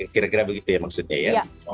kira kira begitu ya maksudnya ya